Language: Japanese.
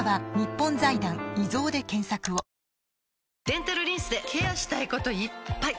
デンタルリンスでケアしたいこといっぱい！